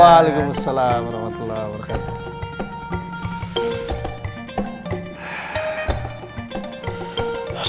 waalaikumsalam warahmatullah wabarakatuh